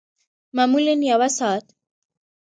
معمولاً یوه ساعت